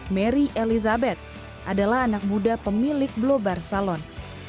mary elizabeth adalah anak muda pemilik blobar salon